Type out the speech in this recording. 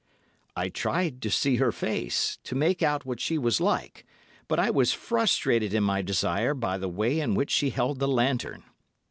I tried to see her face, to make out what she was like, but I was frustrated in my desire by the way in which she held the lantern.